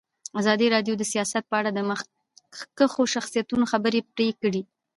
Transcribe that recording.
ازادي راډیو د سیاست په اړه د مخکښو شخصیتونو خبرې خپرې کړي.